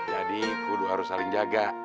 jadi kudu harus saling jaga